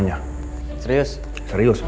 jangan bikin wij crisp